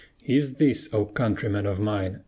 Is this, O countrymen of mine!